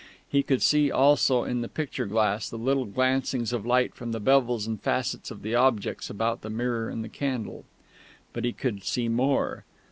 He could see also in the picture glass the little glancings of light from the bevels and facets of the objects about the mirror and candle. But he could see more.